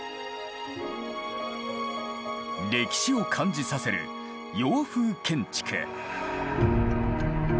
歴史を感じさせる洋風建築。